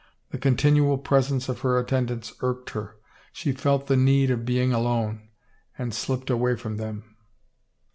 The con tinual presence of her attendants irked her ; she felt the need of being alone, and slipped away from them.